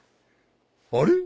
あれ？